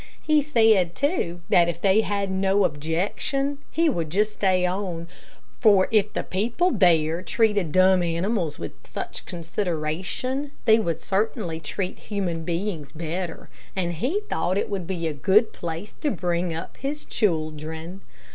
He said, too, that if they had no objection, he would just stay on, for if the people there treated dumb animals with such consideration, they would certainly treat human beings better, and he thought it would be a good place to bring up his children in.